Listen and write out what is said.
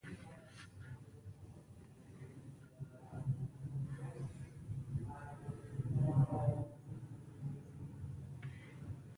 د غرمې په وخت کې اکثره کسبونه بنده وي